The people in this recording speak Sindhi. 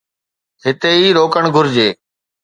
هتي ئي روڪڻ گهرجي.